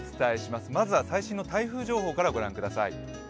まずは最新の台風情報からご覧ください。